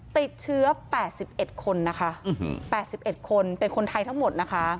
ติดเชื้อ๘๑คนเป็นคนไทยทั้งหมด